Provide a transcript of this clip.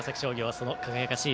その輝かしい